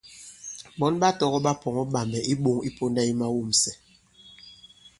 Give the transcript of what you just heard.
Ɓɔ̌n ɓa tɔgɔ̄ ɓa pɔ̀ŋɔ̄ ɓàmbɛ̀ i iɓoŋ i pōnda yi mawûmsɛ̀.